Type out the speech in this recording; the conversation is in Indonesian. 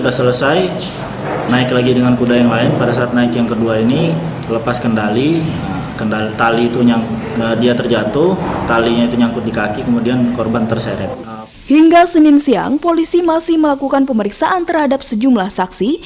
sehingga senin siang polisi masih melakukan pemeriksaan terhadap sejumlah saksi